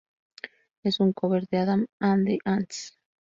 Es un cover de Adam and the Ants.